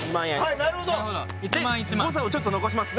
はいなるほどで誤差をちょっと残します